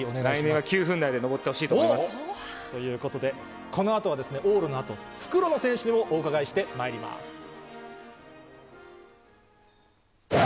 来年は９分台で登ってほしいということで、このあとは往路のあと、復路の選手にもお伺いしてまいります。